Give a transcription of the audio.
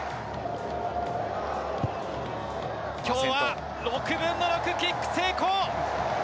きょうは６分の６、キック成功。